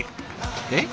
えっ？